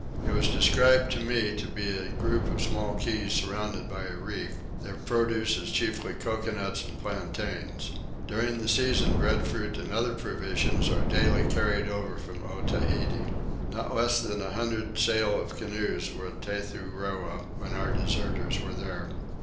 It was described to me to be a group of small keys surrounded by a reef: their produce is chiefly coconuts and plantains. During the season breadfruit and other provisions are daily carried over from Otaheite. Not less than a hundred sail of canoes were at Tethuroa when our deserters were there.